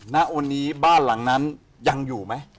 ณวันนี้บ้านหลังนั้นยังอยู่ไหม